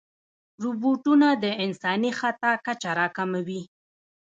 روبوټونه د انساني خطا کچه راکموي.